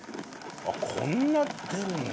こんな出るんだ。